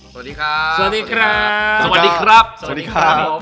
สวัสดีครับสวัสดีครับสวัสดีครับสวัสดีครับผม